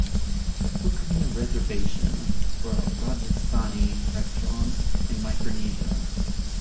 Book me a reservation for a rajasthani restaurant in Micronesia